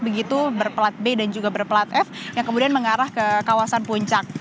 begitu berpelat b dan juga berplat f yang kemudian mengarah ke kawasan puncak